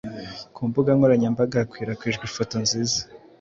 ku mbuga nkoranyambaga hakwirakwijwe ifoto nziza